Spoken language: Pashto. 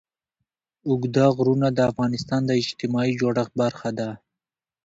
اوږده غرونه د افغانستان د اجتماعي جوړښت برخه ده.